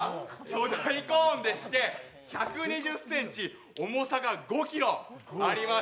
出ました、こちら巨大コーンでして１２０ｃｍ、重さが５ｋｇあります。